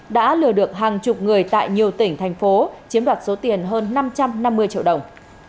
đã lừa được hàng chục người tại nhiều tỉnh thành phố chiếm đoạt số tiền hơn năm trăm năm mươi triệu đồng